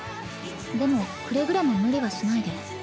でもくれぐれも無理はしないで。